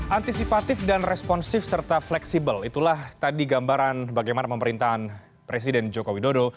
antisipatif dan responsif serta fleksibel itulah tadi gambaran bagaimana pemerintahan presiden joko widodo